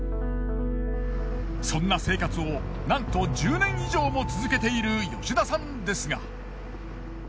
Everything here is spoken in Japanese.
そんな生活をなんと１０年以上も続けている吉田さんですが。